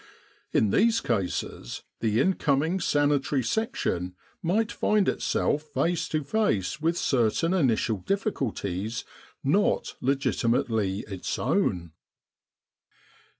In these With the R.A.M.C. in Egypt cases, the incoming Sanitary Section might find itself face to face with certain initial difficulties not legiti mately its own.